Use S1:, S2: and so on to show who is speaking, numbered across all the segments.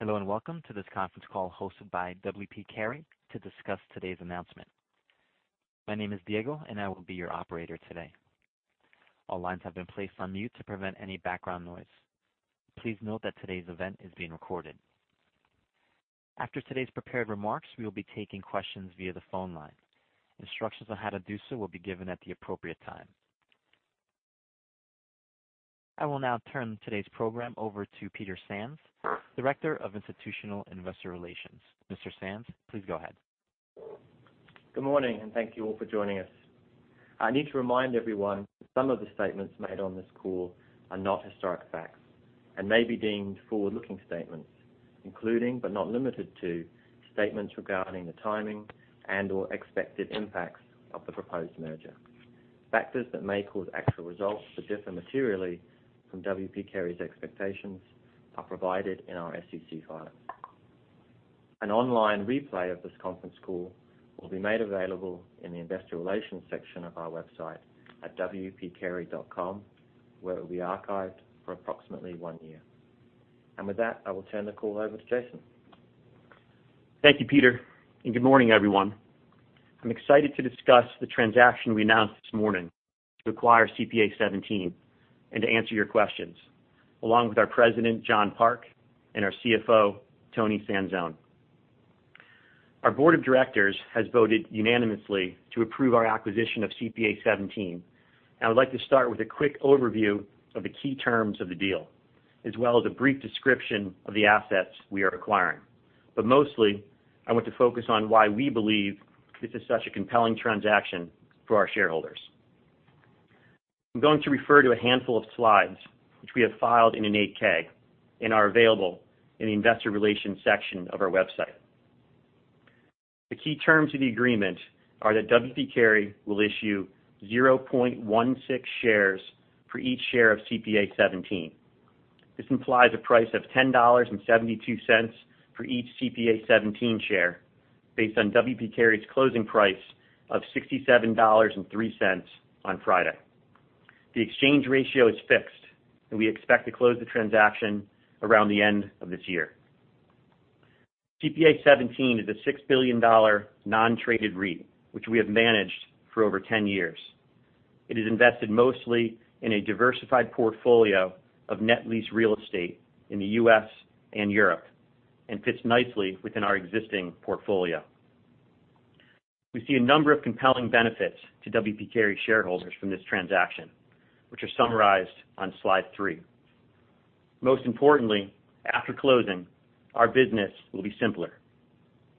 S1: Hello, welcome to this conference call hosted by W. P. Carey to discuss today's announcement. My name is Diego. I will be your operator today. All lines have been placed on mute to prevent any background noise. Please note that today's event is being recorded. After today's prepared remarks, we will be taking questions via the phone line. Instructions on how to do so will be given at the appropriate time. I will now turn today's program over to Peter Sands, Director of Institutional Investor Relations. Mr. Sands, please go ahead.
S2: Good morning, thank you all for joining us. I need to remind everyone that some of the statements made on this call are not historic facts, may be deemed forward-looking statements, including, but not limited to, statements regarding the timing and/or expected impacts of the proposed merger. Factors that may cause actual results to differ materially from W. P. Carey's expectations are provided in our SEC filings. An online replay of this conference call will be made available in the investor relations section of our website at wpcarey.com, where it will be archived for approximately one year. With that, I will turn the call over to Jason.
S3: Thank you, Peter, good morning, everyone. I'm excited to discuss the transaction we announced this morning to acquire CPA:17, to answer your questions along with our President, John Park, and our CFO, Toni Sanzone. Our board of directors has voted unanimously to approve our acquisition of CPA:17. I would like to start with a quick overview of the key terms of the deal, as well as a brief description of the assets we are acquiring. Mostly, I want to focus on why we believe this is such a compelling transaction for our shareholders. I'm going to refer to a handful of slides, which we have filed in an 8-K and are available in the investor relations section of our website. The key terms of the agreement are that W. P. Carey will issue 0.16 shares for each share of CPA:17. This implies a price of $10.72 for each CPA:17 share based on W. P. Carey's closing price of $67.03 on Friday. The exchange ratio is fixed. We expect to close the transaction around the end of this year. CPA:17 is a $6 billion non-traded REIT, which we have managed for over 10 years. It is invested mostly in a diversified portfolio of net lease real estate in the U.S. and Europe, fits nicely within our existing portfolio. We see a number of compelling benefits to W. P. Carey shareholders from this transaction, which are summarized on slide three. Most importantly, after closing, our business will be simpler.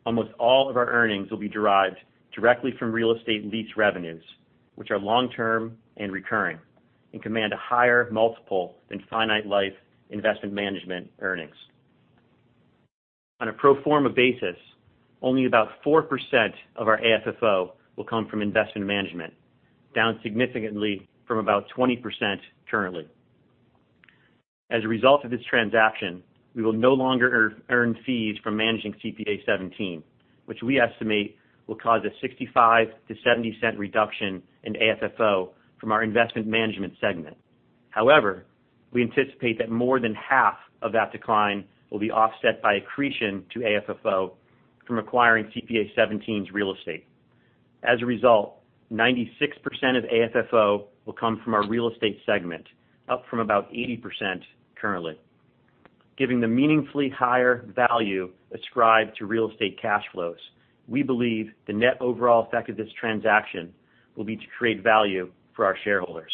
S3: Almost all of our earnings will be derived directly from real estate lease revenues, which are long-term, recurring, command a higher multiple than finite life investment management earnings. On a pro forma basis, only about 4% of our AFFO will come from investment management, down significantly from about 20% currently. As a result of this transaction, we will no longer earn fees from managing CPA:17 – Global, which we estimate will cause a $0.65-$0.70 reduction in AFFO from our investment management segment. However, we anticipate that more than half of that decline will be offset by accretion to AFFO from acquiring CPA:17 – Global's real estate. As a result, 96% of AFFO will come from our real estate segment, up from about 80% currently. Given the meaningfully higher value ascribed to real estate cash flows, we believe the net overall effect of this transaction will be to create value for our shareholders.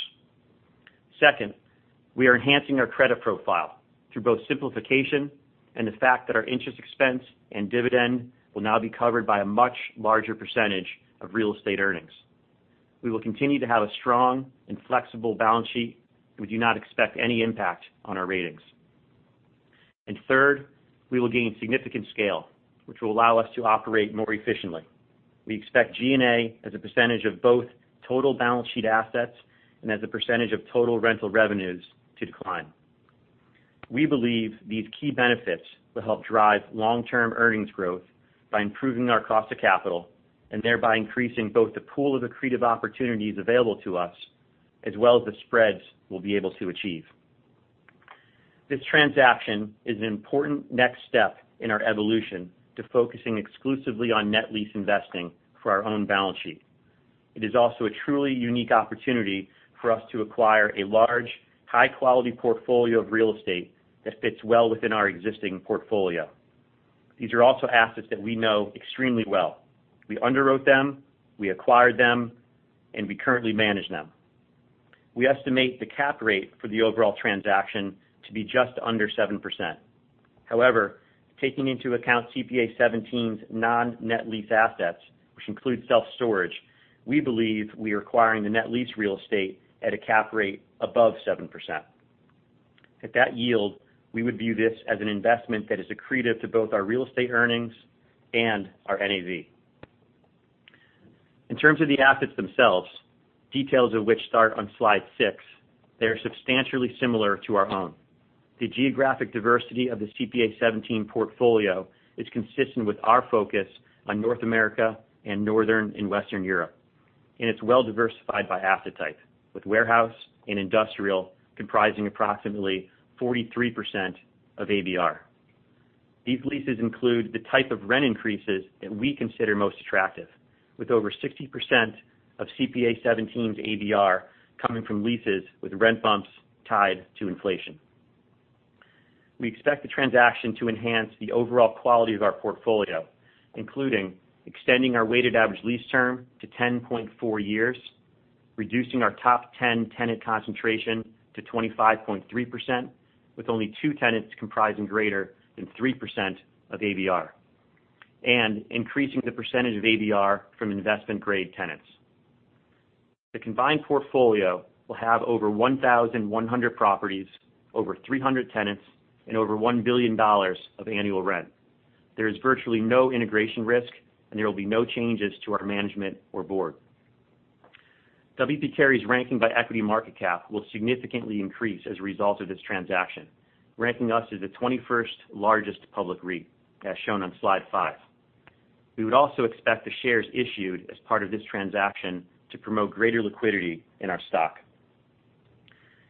S3: We are enhancing our credit profile through both simplification and the fact that our interest expense and dividend will now be covered by a much larger percentage of real estate earnings. We will continue to have a strong and flexible balance sheet, and we do not expect any impact on our ratings. Third, we will gain significant scale, which will allow us to operate more efficiently. We expect G&A as a percentage of both total balance sheet assets and as a percentage of total rental revenues to decline. We believe these key benefits will help drive long-term earnings growth by improving our cost of capital and thereby increasing both the pool of accretive opportunities available to us, as well as the spreads we'll be able to achieve. This transaction is an important next step in our evolution to focusing exclusively on net lease investing for our own balance sheet. It is also a truly unique opportunity for us to acquire a large, high-quality portfolio of real estate that fits well within our existing portfolio. These are also assets that we know extremely well. We underwrote them, we acquired them, and we currently manage them. We estimate the cap rate for the overall transaction to be just under 7%. However, taking into account CPA:17 – Global's non-net lease assets, which includes self-storage, we believe we are acquiring the net lease real estate at a cap rate above 7%. At that yield, we would view this as an investment that is accretive to both our real estate earnings and our NAV. In terms of the assets themselves, details of which start on slide six, they are substantially similar to our own. The geographic diversity of the CPA:17 – Global portfolio is consistent with our focus on North America and Northern and Western Europe. It's well-diversified by asset type, with warehouse and industrial comprising approximately 43% of ABR. These leases include the type of rent increases that we consider most attractive, with over 60% of CPA:17 – Global's ABR coming from leases with rent bumps tied to inflation. We expect the transaction to enhance the overall quality of our portfolio, including extending our weighted average lease term to 10.4 years, reducing our top 10-tenant concentration to 25.3%, with only 2 tenants comprising greater than 3% of ABR, and increasing the percentage of ABR from investment-grade tenants. The combined portfolio will have over 1,100 properties, over 300 tenants, and over $1 billion of annual rent. There is virtually no integration risk, and there will be no changes to our management or board. W. P. Carey's ranking by equity market cap will significantly increase as a result of this transaction, ranking us as the 21st largest public REIT, as shown on slide five. We would also expect the shares issued as part of this transaction to promote greater liquidity in our stock.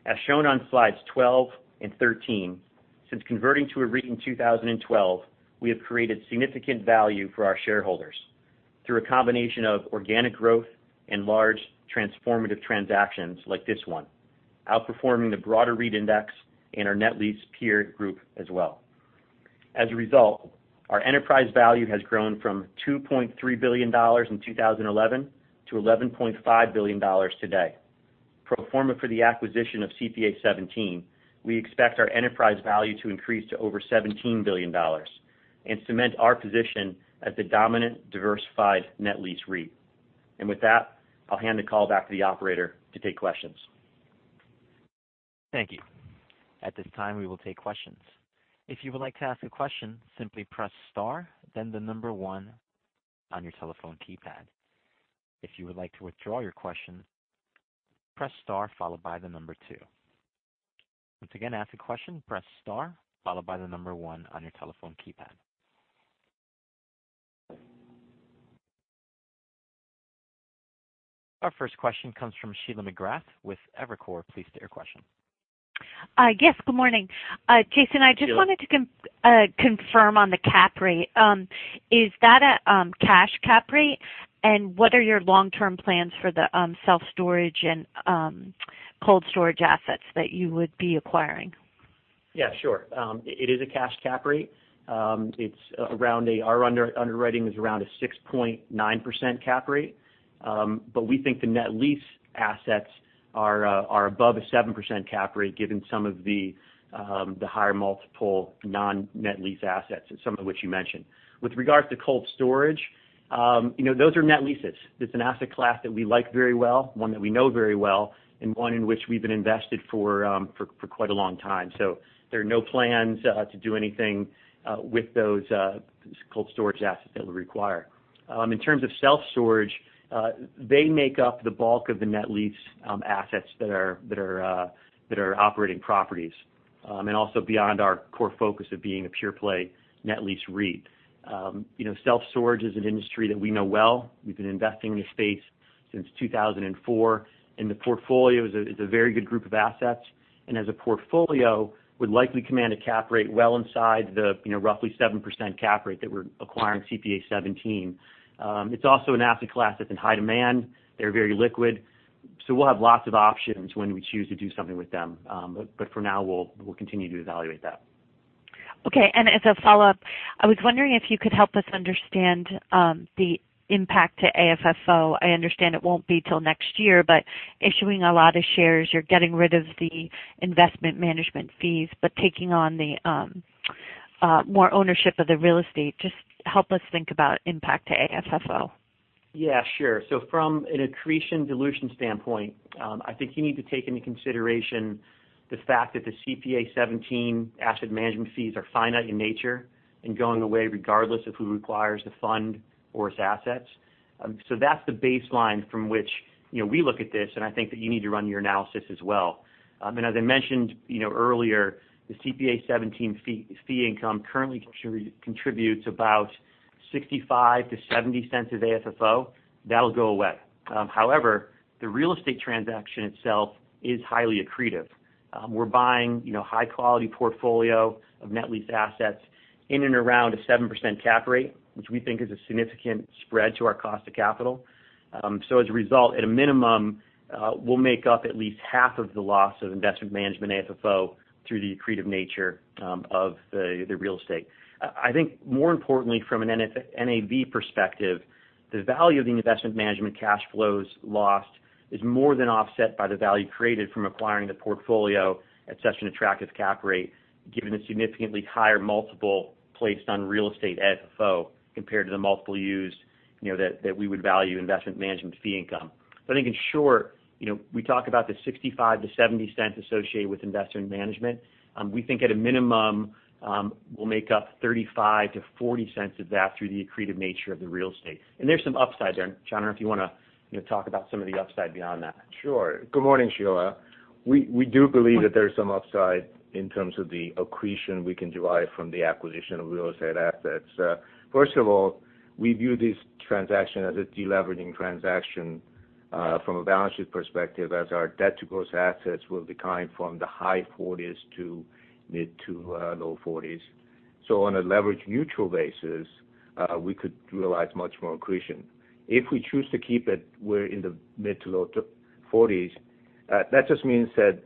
S3: As shown on slides 12 and 13, since converting to a REIT in 2012, we have created significant value for our shareholders through a combination of organic growth and large transformative transactions like this one, outperforming the broader REIT index and our net lease peer group as well. As a result, our enterprise value has grown from $2.3 billion in 2011 to $11.5 billion today. Pro forma for the acquisition of CPA:17, we expect our enterprise value to increase to over $17 billion, and cement our position as the dominant diversified net lease REIT. With that, I'll hand the call back to the operator to take questions.
S1: Thank you. At this time, we will take questions. If you would like to ask a question, simply press star, then the number one on your telephone keypad. If you would like to withdraw your question, press star followed by the number two. Once again, to ask a question, press star followed by the number one on your telephone keypad. Our first question comes from Sheila McGrath with Evercore. Please state your question.
S4: Yes. Good morning. Jason
S3: Sheila.
S4: I just wanted to confirm on the cap rate. Is that a cash cap rate? What are your long-term plans for the self-storage and cold storage assets that you would be acquiring?
S3: Yeah, sure. It is a cash cap rate. Our underwriting is around a 6.9% cap rate. We think the net lease assets are above a 7% cap rate given some of the higher multiple non-net lease assets, some of which you mentioned. With regards to cold storage, those are net leases. It's an asset class that we like very well, one that we know very well, and one in which we've been invested for quite a long time. There are no plans to do anything with those cold storage assets that we require. In terms of self-storage, they make up the bulk of the net lease assets that are operating properties, and also beyond our core focus of being a pure play net lease REIT. Self-storage is an industry that we know well. We've been investing in the space since 2004. The portfolio is a very good group of assets. As a portfolio, would likely command a cap rate well inside the roughly 7% cap rate that we're acquiring CPA:17. It's also an asset class that's in high demand. They're very liquid. We'll have lots of options when we choose to do something with them. For now, we'll continue to evaluate that.
S4: Okay. As a follow-up, I was wondering if you could help us understand the impact to AFFO. I understand it won't be till next year. Issuing a lot of shares, you're getting rid of the investment management fees, but taking on more ownership of the real estate. Just help us think about impact to AFFO.
S3: Yeah, sure. From an accretion dilution standpoint, I think you need to take into consideration the fact that the CPA:17 asset management fees are finite in nature and going away regardless of who acquires the fund or its assets. That's the baseline from which we look at this, and I think that you need to run your analysis as well. As I mentioned earlier, the CPA:17 fee income currently contributes about $0.65-$0.70 of AFFO. That'll go away. However, the real estate transaction itself is highly accretive. We're buying high-quality portfolio of net lease assets in and around a 7% cap rate, which we think is a significant spread to our cost of capital. As a result, at a minimum, we'll make up at least half of the loss of investment management AFFO through the accretive nature of the real estate. I think more importantly from an NAV perspective, the value of the investment management cash flows lost is more than offset by the value created from acquiring the portfolio at such an attractive cap rate, given the significantly higher multiple placed on real estate FFO compared to the multiple used that we would value investment management fee income. I think in short, we talk about the $0.65-$0.70 associated with investment management. We think at a minimum, we'll make up $0.35-$0.40 of that through the accretive nature of the real estate. There's some upside there. John, I don't know if you want to talk about some of the upside beyond that.
S5: Sure. Good morning, Sheila. We do believe that there's some upside in terms of the accretion we can derive from the acquisition of real estate assets. First of all, we view this transaction as a deleveraging transaction from a balance sheet perspective, as our debt to gross assets will decline from the high 40s to mid to low 40s. On a leverage neutral basis, we could realize much more accretion. If we choose to keep it, we're in the mid to low 40s. That just means that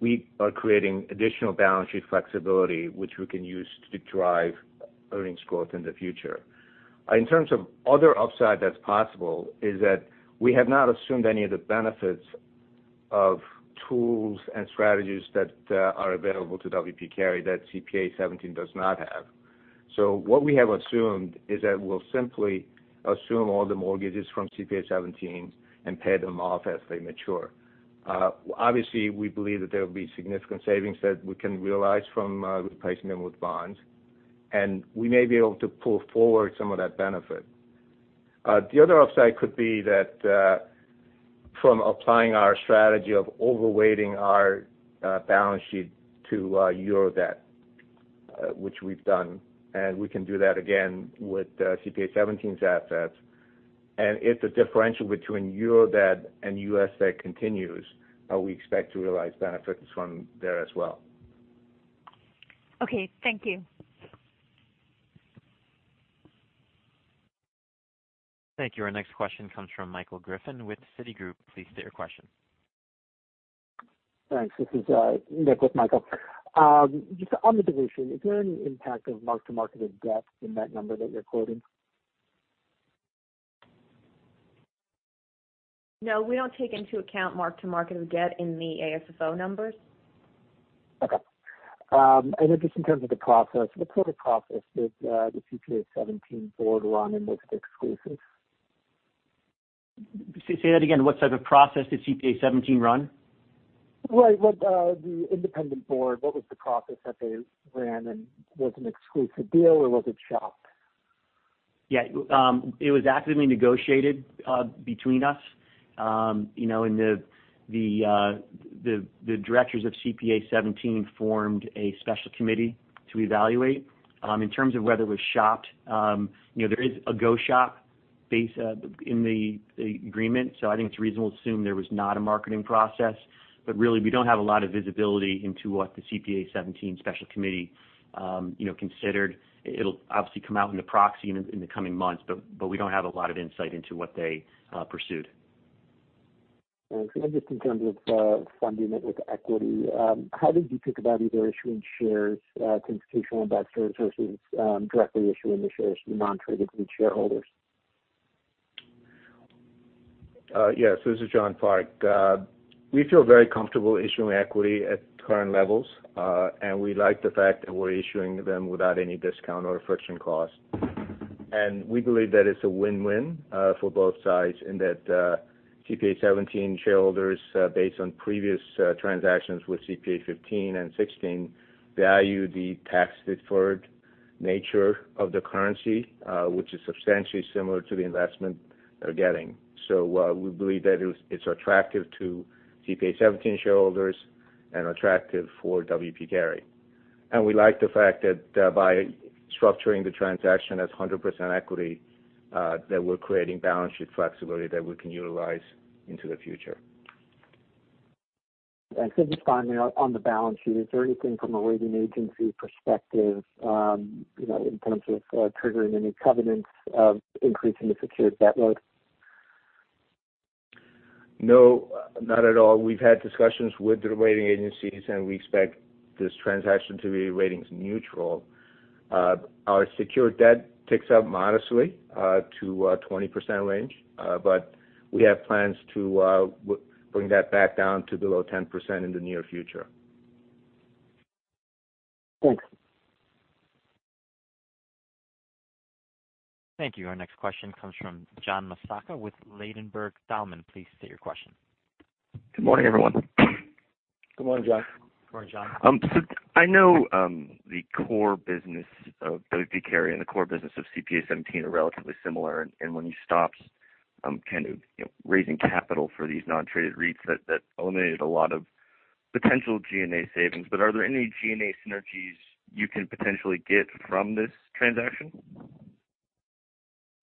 S5: we are creating additional balance sheet flexibility, which we can use to drive earnings growth in the future. In terms of other upside that's possible is that we have not assumed any of the benefits of tools and strategies that are available to W. P. Carey that CPA:17 does not have. What we have assumed is that we'll simply assume all the mortgages from CPA:17 and pay them off as they mature. Obviously, we believe that there will be significant savings that we can realize from replacing them with bonds, and we may be able to pull forward some of that benefit. The other upside could be that from applying our strategy of overweighting our balance sheet to Euro debt, which we've done, and we can do that again with CPA:17's assets. If the differential between Euro debt and U.S. debt continues, we expect to realize benefits from there as well.
S4: Okay. Thank you.
S1: Thank you. Our next question comes from Michael Griffin with Citigroup. Please state your question.
S6: Thanks. This is Nick with Michael. Just on the dilution, is there any impact of mark-to-market of debt in that number that you're quoting?
S7: No, we don't take into account mark-to-market of debt in the AFFO numbers.
S6: Okay. Then just in terms of the process, what sort of process did the CPA:17 board run in this exclusive?
S3: Say that again. What type of process did CPA:17 run?
S6: Right. The independent board, what was the process that they ran, and was it an exclusive deal or was it shopped?
S3: Yeah. It was actively negotiated between us. The directors of CPA:17 formed a special committee to evaluate. In terms of whether it was shopped, there is a go shop base in the agreement. I think it's reasonable to assume there was not a marketing process. Really, we don't have a lot of visibility into what the CPA:17 special committee considered. It'll obviously come out in the proxy in the coming months, but we don't have a lot of insight into what they pursued.
S6: Just in terms of funding it with equity, how did you think about either issuing shares to institutional investors versus directly issuing the shares to the non-traded REIT shareholders?
S5: Yes. This is John Park. We feel very comfortable issuing equity at current levels. We like the fact that we're issuing them without any discount or friction cost. We believe that it's a win-win for both sides in that CPA 17 shareholders based on previous transactions with CPA:15 and CPA:16 value the tax deferred nature of the currency, which is substantially similar to the investment they're getting. We believe that it's attractive to CPA 17 shareholders and attractive for W. P. Carey. We like the fact that by structuring the transaction as 100% equity, that we're creating balance sheet flexibility that we can utilize into the future.
S6: Just finally on the balance sheet, is there anything from a rating agency perspective in terms of triggering any covenants of increasing the secured debt load?
S5: No, not at all. We've had discussions with the rating agencies, we expect this transaction to be ratings neutral. Our secured debt ticks up modestly to 20% range. We have plans to bring that back down to below 10% in the near future.
S6: Thanks.
S1: Thank you. Our next question comes from John Massocca with Ladenburg Thalmann. Please state your question.
S8: Good morning, everyone.
S5: Good morning, John.
S3: Good morning, John.
S8: I know the core business of W. P. Carey and the core business of CPA:17 are relatively similar. When you stopped kind of raising capital for these non-traded REITs that eliminated a lot of potential G&A savings. Are there any G&A synergies you can potentially get from this transaction?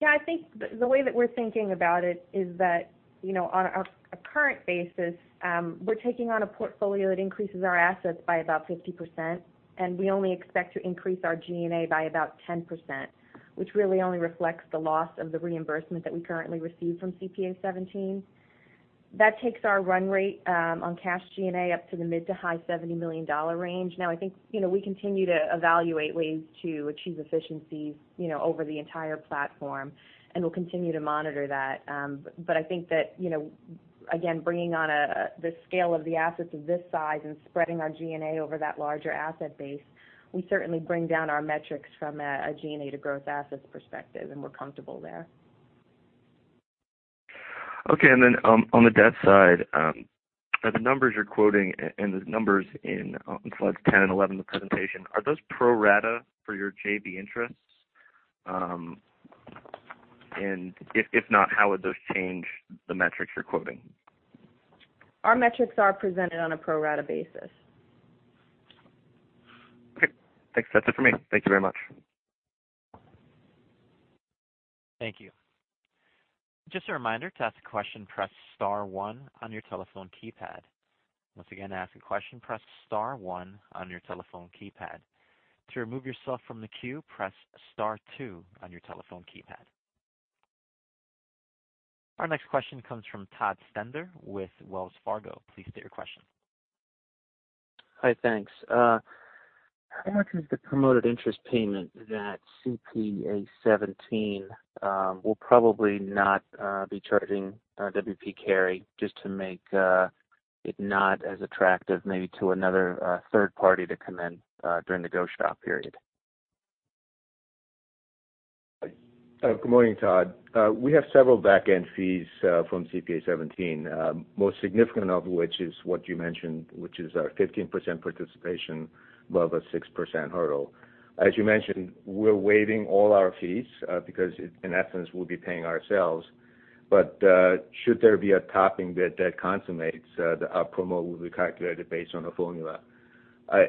S7: I think the way that we're thinking about it is that on a current basis, we're taking on a portfolio that increases our assets by about 50%, and we only expect to increase our G&A by about 10%, which really only reflects the loss of the reimbursement that we currently receive from CPA:17. That takes our run rate on cash G&A up to the mid to high $70 million range. I think we continue to evaluate ways to achieve efficiencies over the entire platform, and we'll continue to monitor that. I think that again, bringing on the scale of the assets of this size and spreading our G&A over that larger asset base, we certainly bring down our metrics from a G&A to growth assets perspective, and we're comfortable there.
S8: On the debt side, the numbers you're quoting and the numbers on slides 10 and 11 of the presentation, are those pro rata for your JV interests? If not, how would those change the metrics you're quoting?
S7: Our metrics are presented on a pro rata basis.
S8: Thanks. That's it for me. Thank you very much.
S1: Thank you. Just a reminder, to ask a question, press star one on your telephone keypad. Once again, to ask a question, press star one on your telephone keypad. To remove yourself from the queue, press star two on your telephone keypad. Our next question comes from Todd Stender with Wells Fargo. Please state your question.
S9: Hi, thanks. How much is the promoted interest payment that CPA:17 will probably not be charging W. P. Carey, just to make it not as attractive, maybe to another third party to come in during the go-shop period?
S5: Good morning, Todd. We have several back-end fees from CPA:17. Most significant of which is what you mentioned, which is our 15% participation above a 6% hurdle. As you mentioned, we're waiving all our fees because in essence, we'll be paying ourselves. Should there be a topping that consummates, our promote will be calculated based on a formula.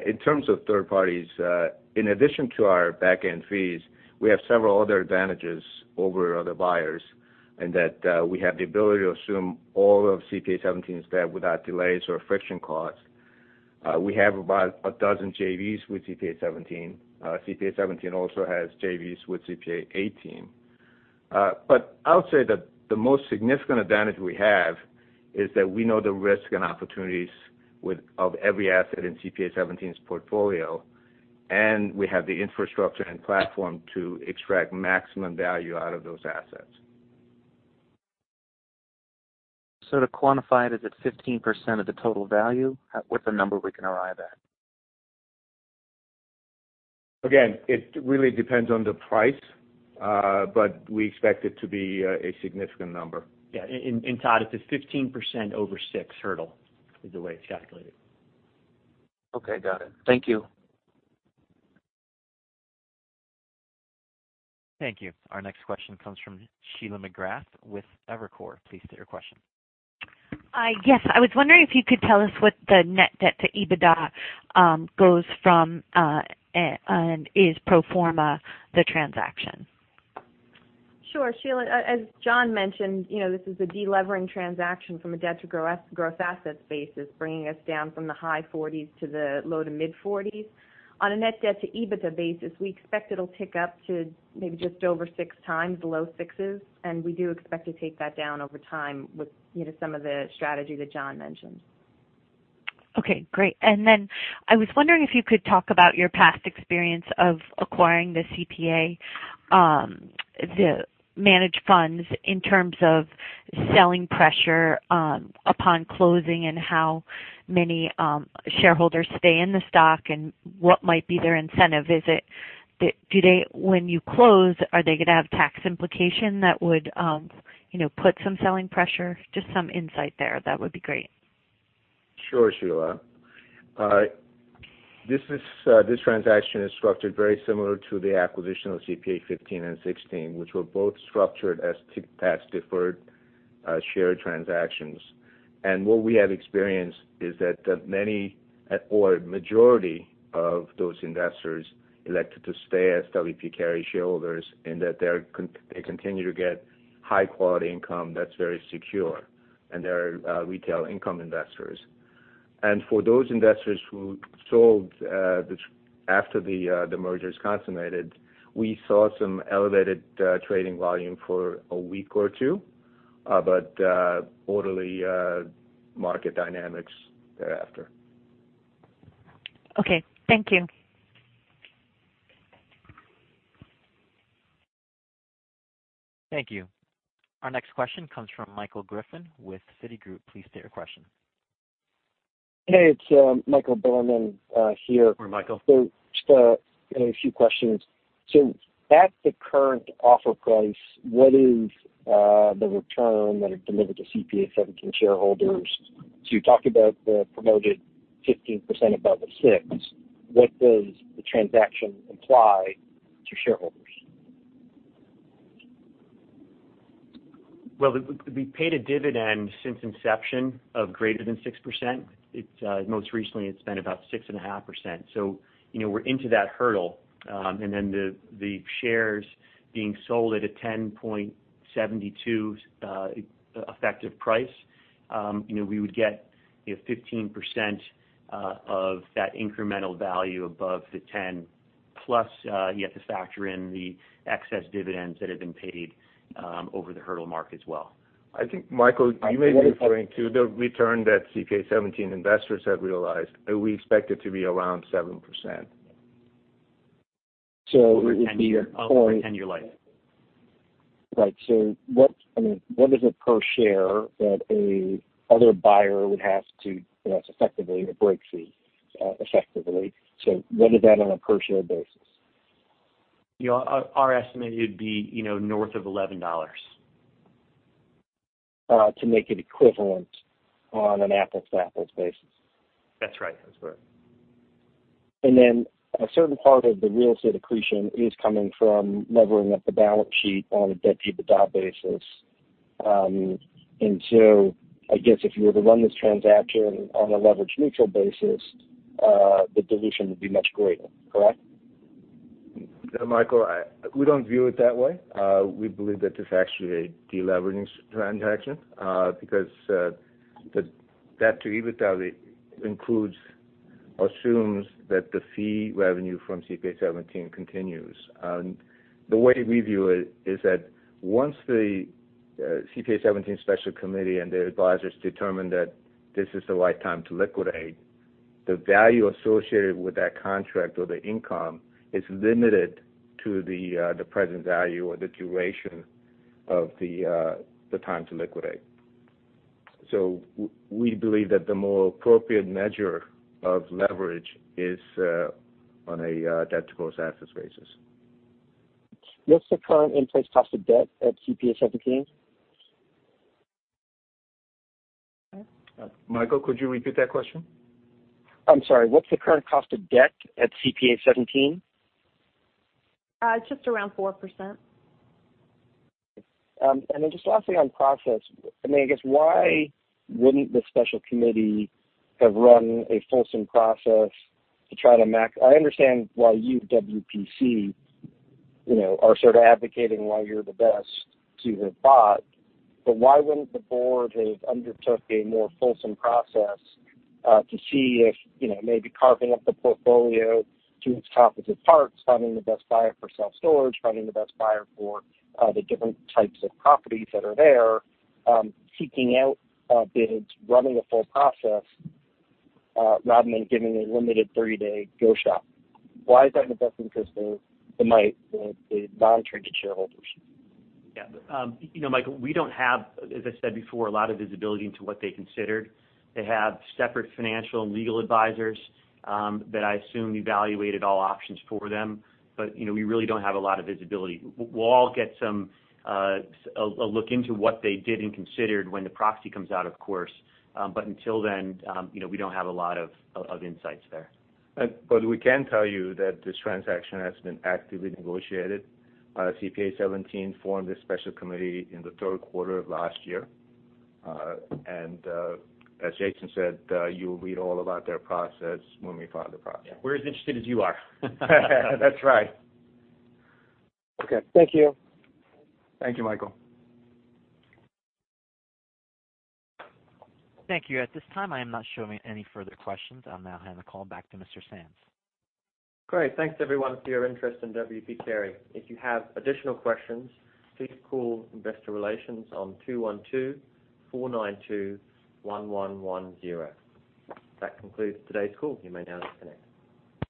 S5: In terms of third parties, in addition to our back-end fees, we have several other advantages over other buyers in that we have the ability to assume all of CPA:17's debt without delays or friction costs. We have about a dozen JVs with CPA:17. CPA:17 also has JVs with CPA:18. I would say that the most significant advantage we have is that we know the risk and opportunities of every asset in CPA:17's portfolio, and we have the infrastructure and platform to extract maximum value out of those assets.
S9: To quantify it, is it 15% of the total value? What's a number we can arrive at?
S5: Again, it really depends on the price, but we expect it to be a significant number.
S3: Yeah. Todd, it's a 15% over six hurdle, is the way it's calculated.
S9: Okay, got it. Thank you.
S1: Thank you. Our next question comes from Sheila McGrath with Evercore. Please state your question.
S4: Yes. I was wondering if you could tell us what the net debt to EBITDA goes from and is pro forma the transaction.
S7: Sure, Sheila. As John mentioned, this is a de-levering transaction from a debt-to-gross assets basis, bringing us down from the high 40s to the low to mid 40s. On a net debt to EBITDA basis, we expect it will tick up to maybe just over six times, low sixes, and we do expect to take that down over time with some of the strategy that John mentioned.
S4: Okay, great. Then I was wondering if you could talk about your past experience of acquiring the CPA managed funds in terms of selling pressure upon closing and how many shareholders stay in the stock and what might be their incentive. When you close, are they going to have tax implication that would put some selling pressure? Just some insight there. That would be great.
S5: Sure, Sheila. This transaction is structured very similar to the acquisition of CPA:15 and CPA:16, which were both structured as tax-deferred share transactions. What we have experienced is that many or majority of those investors elected to stay as W. P. Carey shareholders. They continue to get high-quality income that's very secure, and they are retail income investors. For those investors who sold after the merger's consummated, we saw some elevated trading volume for a week or two, but orderly market dynamics thereafter.
S4: Okay. Thank you.
S1: Thank you. Our next question comes from Michael Griffin with Citigroup. Please state your question.
S10: Hey, it's Michael Borman here.
S3: Hi, Michael.
S10: Just a few questions. At the current offer price, what is the return that is delivered to CPA 17 shareholders? You talked about the promoted 15% above the 6. What does the transaction imply to shareholders?
S3: Well, we paid a dividend since inception of greater than 6%. Most recently, it's been about 6.5%. We're into that hurdle. The shares being sold at a $10.72 effective price. We would get 15% of that incremental value above the $10 plus you have to factor in the excess dividends that have been paid over the hurdle mark as well.
S5: I think, Michael, you may be referring to the return that CPA 17 investors have realized. We expect it to be around 7%.
S3: Over a 10-year life.
S10: Right. What is it per share that a other buyer would have to effectively a break fee. What is that on a per share basis?
S3: Our estimate, it would be north of $11.
S10: To make it equivalent on an apples-to-apples basis.
S3: That's right. That's right.
S10: A certain part of the real estate accretion is coming from levering up the balance sheet on a debt to EBITDA basis. I guess if you were to run this transaction on a leverage-neutral basis, the dilution would be much greater, correct?
S5: No, Michael, we don't view it that way. We believe that this is actually a de-leveraging transaction because the debt to EBITDA includes, assumes that the fee revenue from CPA:17 continues. The way we view it is that once the CPA:17 special committee and their advisors determine that this is the right time to liquidate, the value associated with that contract or the income is limited to the present value or the duration of the time to liquidate. We believe that the more appropriate measure of leverage is on a debt-to-gross assets basis.
S10: What's the current in-place cost of debt at CPA:17?
S5: Michael, could you repeat that question?
S10: I'm sorry. What's the current cost of debt at CPA:17?
S7: It's just around 4%.
S10: Then just lastly on process, I guess why wouldn't the special committee have run a fulsome process to try to max. I understand why you at WPC are sort of advocating why you're the best to have bought, but why wouldn't the board have undertook a more fulsome process to see if maybe carving up the portfolio to its properties parts, finding the best buyer for self-storage, finding the best buyer for the different types of properties that are there, seeking out bids, running a full process, rather than giving a limited 30-day go shop. Why is that in the best interest of the non-traded shareholders?
S3: Yeah, Michael, we don't have, as I said before, a lot of visibility into what they considered. They have separate financial and legal advisors that I assume evaluated all options for them. We really don't have a lot of visibility. We'll all get a look into what they did and considered when the proxy comes out, of course. Until then we don't have a lot of insights there.
S5: We can tell you that this transaction has been actively negotiated. CPA:17 formed a special committee in the third quarter of last year. As Jason said, you will read all about their process when we file the proxy.
S3: Yeah, we're as interested as you are.
S5: That's right.
S10: Okay. Thank you.
S5: Thank you, Michael.
S1: Thank you. At this time, I am not showing any further questions. I'll now hand the call back to Mr. Sands.
S2: Great. Thanks everyone for your interest in W. P. Carey. If you have additional questions, please call investor relations on 212-492-1110. That concludes today's call. You may now disconnect.